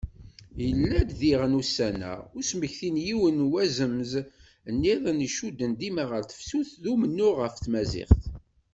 Yella-d diɣen ussan-a usmekti n yiwen wazemz nniḍen icudden dima ɣer tefsut d umennuɣ ɣef tmaziɣt.